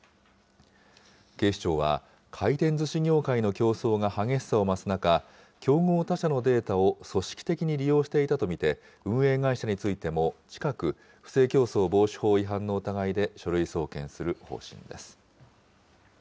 警視庁は、回転ずし業界の競争が激しさを増す中、競合他社のデータを組織的に利用していたと見て、運営会社についても近く、不正競争防止法違反の疑いで書類送検する方針です。